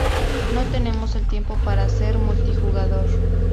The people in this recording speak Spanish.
No tenemos el tiempo para hacer multijugador.